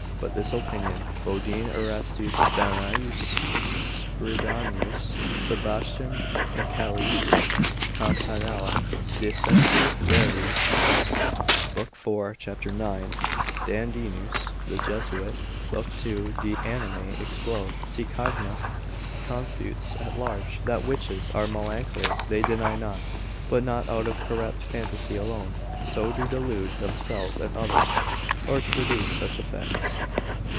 But this opinion Bodine, Erastus, Danaeus, Scribanius, Sebastian Michaelis, Campanella de Sensu rerum, lib. 4. cap. 9. Dandinus the Jesuit, lib. 2. de Animae explode; Cicogna confutes at large. That witches are melancholy, they deny not, but not out of corrupt phantasy alone, so to delude themselves and others, or to produce such effects.